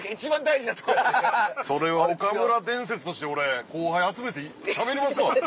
それは岡村伝説として俺後輩集めてしゃべりますわ。